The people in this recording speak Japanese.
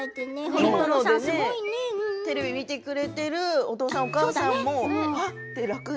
今、テレビを見てくれているお父さんお母さん